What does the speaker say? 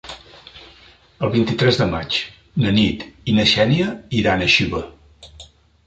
El vint-i-tres de maig na Nit i na Xènia iran a Xiva.